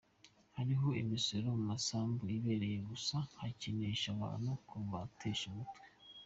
Hariho imisoro ku masambu ibereyeho gusa gukenesha abantu no kubatesha umutwe.